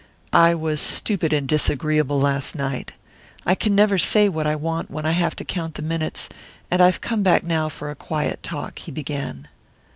"I was stupid and disagreeable last night. I can never say what I want when I have to count the minutes, and I've come back now for a quiet talk," he began.